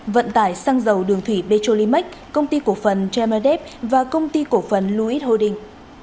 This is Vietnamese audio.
vận tải xăng dầu đường thủy petrolimex công ty cổ phần gemadep và công ty cổ phần louis holding